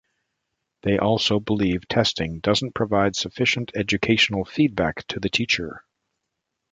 They also believe testing doesn't provide sufficient educational feedback to the teacher.